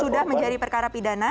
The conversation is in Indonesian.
sudah menjadi perkara pidana